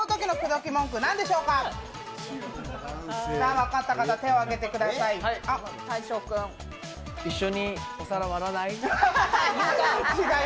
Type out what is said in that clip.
分かった方、手を挙げてください。